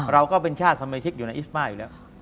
เราก็เป็นชาติสมาชิกอยู่ในอิสมาอยู่แล้ว